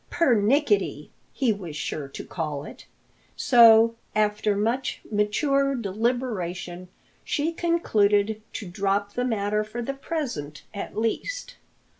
"Pernickety" he was sure to call it. So, after much mature deliberation, she concluded to drop the matter for the present, at least.